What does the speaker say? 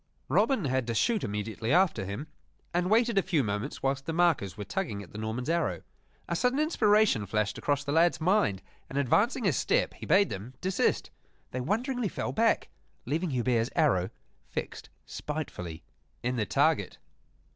Robin had to shoot immediately after him, and waited a few moments whilst the markers were tugging at the Norman's arrow. A sudden inspiration flashed across the lad's mind; and, advancing a step, he bade them desist. They wonderingly fell back, leaving Hubert's arrow fixed spitefully in the target.